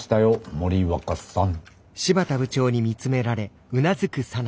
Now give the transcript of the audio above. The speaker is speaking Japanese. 森若さん。